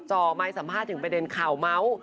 จอไม้สัมภาษณ์ถึงไปเดินข่าวเม้าท์